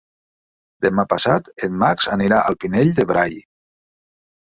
Demà passat en Max anirà al Pinell de Brai.